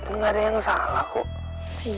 ini gak ada yang salah kok